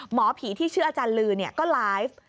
หมอผีที่ชื่ออาจารย์ลือก็ไลฟ์